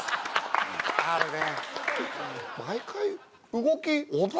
あるね